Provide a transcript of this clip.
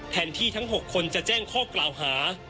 ที่ทั้ง๖คนจะแจ้งข้อกล่าวหา